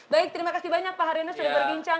baik terima kasih banyak pak haryono sudah berbincang